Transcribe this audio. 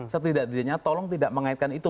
setidaknya tolong tidak mengaitkan itu